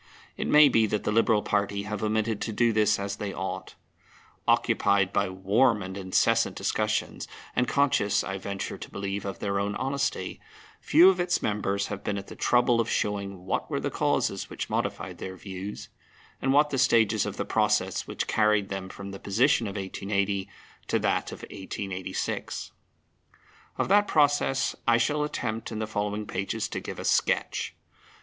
It may be that the Liberal party have omitted to do this as they ought. Occupied by warm and incessant discussions, and conscious, I venture to believe, of their own honesty, few of its members have been at the trouble of showing what were the causes which modified their views, and what the stages of the process which carried them from the position of 1880 to that of 1886. Of that process I shall attempt in the following pages to give a sketch.